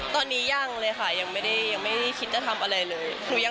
ตอนนี้ยังเลยค่ะยังไม่ได้คิดจะทำอะไรเลย